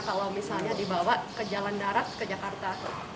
kalau misalnya dibawa ke jalan darat ke jakarta